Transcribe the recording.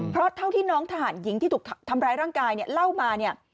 เพราะเท่าที่น้องทหารหญิงที่ถูกทำร้ายร่างกายเนี่ยเล่ามาเนี่ย